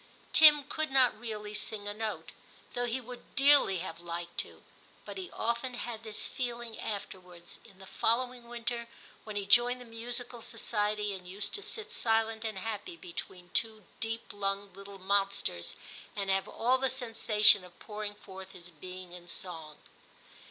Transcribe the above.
Tim could not really sing a note, though he would dearly have liked to ; but he often had this feeling afterwards, in the following winter, when he joined the musical society and used to sit silent and happy between two deep lunged little monsters, and have all VI riM 119 the sensation of pouring forth his being in song.